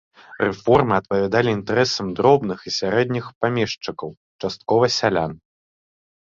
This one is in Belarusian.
Рэформы адпавядалі інтарэсам дробных і сярэдніх памешчыкаў, часткова сялян.